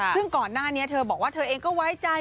ซึ่งก่อนหน้านี้เธอบอกว่าเธอเองก็ไว้ใจ